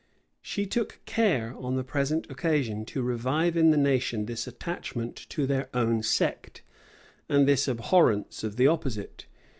She took care, on the present occasion, to revive in the nation this attachment to their own sect, and this abhorrence of the opposite.